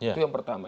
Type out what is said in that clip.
itu yang pertama